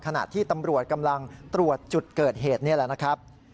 ขณะที่ตำรวจกำลังตรวจจุดเกิดเหตุนี่แหละนะครับ